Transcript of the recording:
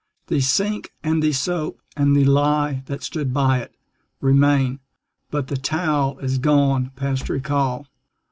The sink and the soap and the lye that stood by it Remain; but the towel is gone past recall.